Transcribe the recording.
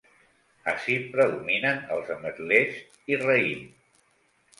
Ací predominen els ametlers i raïm.